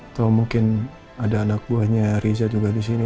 atau mungkin ada anak buahnya riza juga di sini